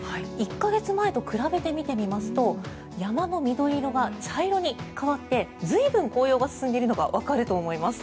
１か月前と比べて見てみますと山の緑色が茶色に代わって随分、紅葉が進んでいるのがわかると思います。